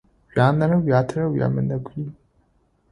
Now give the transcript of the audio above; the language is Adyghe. Уянэрэ уятэрэ уямынэгуй.